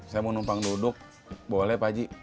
saya mau numpang duduk boleh pak ji